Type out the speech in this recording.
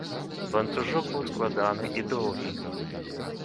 Ланцужок быў складаны і доўгі.